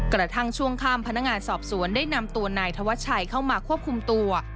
กระทั่งช่วงข้ามพนักงานสอบสวนได้นำตัวนายธวัชชัยเข้ามาควบคุมตัว